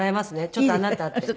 「ちょっとあなた」って。